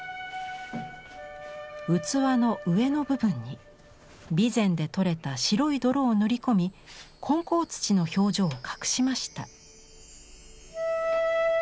器の上の部分に備前で取れた白い泥を塗り込み混淆土の表情を隠しました。